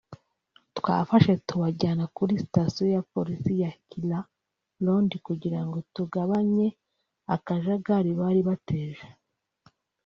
“Twabafashe tubajyana kuri sitasiyo ya Polisi ya Kira Road kugira ngo tugabanye akajagari bari bateje